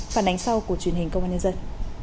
phản ánh sau của truyền hình công an nhân dân